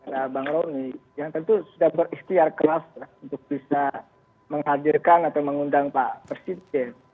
nah bang roni yang tentu sudah berikhtiar kelas lah untuk bisa menghadirkan atau mengundang pak presiden